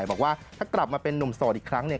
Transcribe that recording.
บอกว่าถ้ากลับมาเป็นนุ่มโสดอีกครั้งเนี่ย